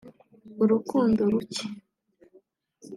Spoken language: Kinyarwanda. urukundo ruke